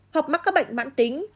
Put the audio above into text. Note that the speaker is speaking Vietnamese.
hoặc mắc các bệnh mạng tính